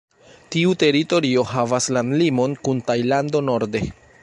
Tiu teritorio havas landlimon kun Tajlando norde.